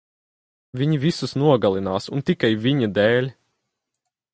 Viņi visus nogalinās, un tikai viņa dēļ!